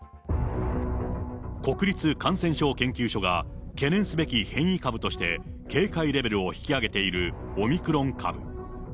国立感染症研究所が懸念すべき変異株として、警戒レベルを引き上げているオミクロン株。